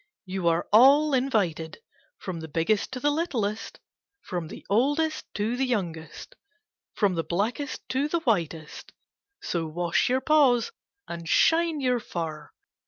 You are all invited from the biggest to the littlest, from the oldest to the young est, from the blackest to the whitest. So wash your paws and shine your fur.